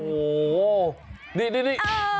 โอ้โหนี่